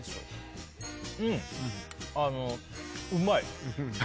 うん、うまい。